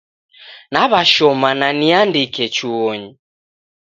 Naw'ashoma na niandike chuonyi.